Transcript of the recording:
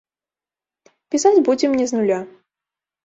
Пісаць будзем не з нуля.